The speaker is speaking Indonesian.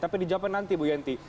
tapi dijawabkan nanti bu yenti